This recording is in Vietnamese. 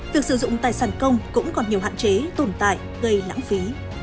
việc sử dụng tài sản công cũng còn nhiều hạn chế tồn tại gây lãng phí